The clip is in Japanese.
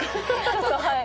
ちょっとはい。